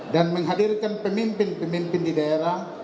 dan menghadirkan pemimpin pemimpin di daerah